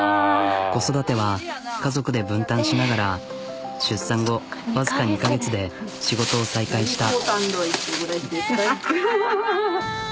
子育ては家族で分担しながら出産後わずか２カ月で仕事を再開した。